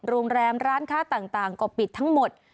โรงแรมร้านค้าต่างก็ปิดทั้งหมด